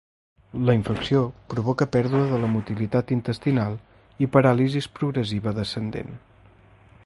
La infecció provoca pèrdua de la motilitat intestinal i paràlisi progressiva descendent.